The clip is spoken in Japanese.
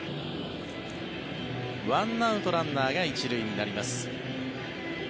１アウトランナーが１塁になります。